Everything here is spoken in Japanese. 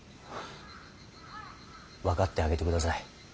分かってあげてください。